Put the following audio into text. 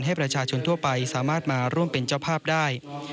ให้ประชาชนทั่วไปสามารถมาร่วมเป็นเจ้าภาพได้